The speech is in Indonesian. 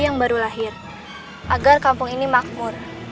kamu tidak apa apa